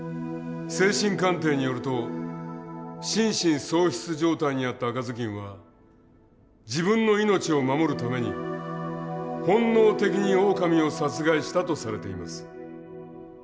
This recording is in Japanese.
精神鑑定によると心神喪失状態にあった赤ずきんは自分の命を守るために本能的にオオカミを殺害したとされています。